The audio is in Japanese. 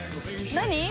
何？